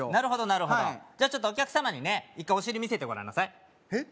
なるほどじゃちょっとお客様に一回お尻見せてごらんなさいえっ？